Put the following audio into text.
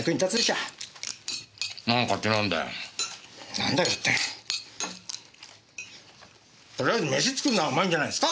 なんだってとりあえず飯作るのはうまいんじゃないですか！